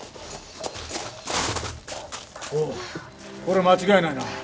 おおこりゃ間違いないな。